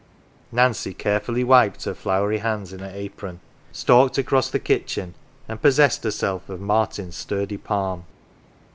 Nancy carefully wiped her floury hands in her apron, stalked across the kitchen, and possessed herself of Martin's sturdy palm.